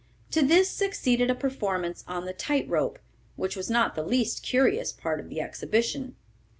To this succeeded a performance on the tight rope, which was not the least curious part of the exhibition.